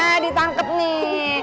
nah ditangkep nek